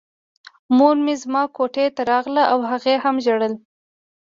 مور مې زما کوټې ته راغله او هغې هم ژړل